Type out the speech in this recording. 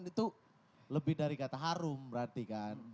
itu lebih dari kata harum berarti kan